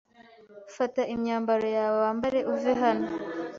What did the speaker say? Fata imyambaro yawe wambare uve hano”.